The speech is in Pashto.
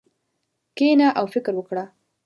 کښېنه او فکر وکړه.